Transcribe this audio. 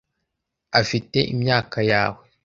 afite imyaka yawe